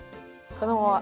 このまま。